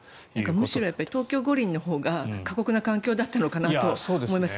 むしろ東京五輪のほうが過酷な環境だったのかなと思います。